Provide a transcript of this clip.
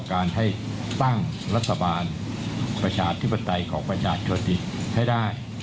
ต้องการให้ตั้งรัฐบาลประชาธิปไตยของประชาชนทธิปไตยให้ได้